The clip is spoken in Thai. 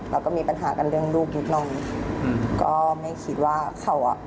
แล้วก็มีปัญหากันเรื่องลูกนิดหน่อยอืมก็ไม่คิดว่าเขาอ่ะ